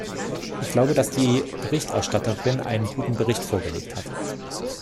Ich glaube, dass die Berichterstatterin einen guten Bericht vorgelegt hat.